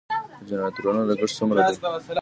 د جنراتورونو لګښت څومره دی؟